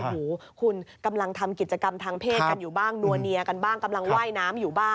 หูคุณกำลังทำกิจกรรมทางเพศกันอยู่บ้างนัวเนียกันบ้างกำลังว่ายน้ำอยู่บ้าง